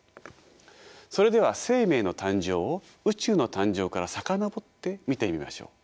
それでは生命の誕生を宇宙の誕生から遡って見てみましょう。